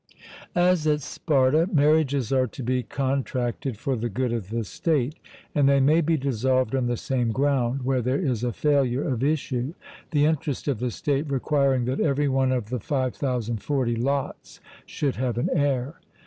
As at Sparta, marriages are to be contracted for the good of the state; and they may be dissolved on the same ground, where there is a failure of issue, the interest of the state requiring that every one of the 5040 lots should have an heir.